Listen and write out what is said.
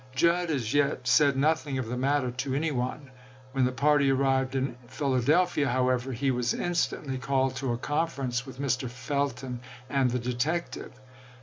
Judd as yet said nothing of the matter to any one. When the party arrived in Philadelphia, however, he was instantly called to a conference with Mr. Felton and the detective.